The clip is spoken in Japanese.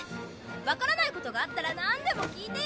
分からないことがあったら何でも聞いてよ。